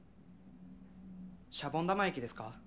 シャボン玉液ですか？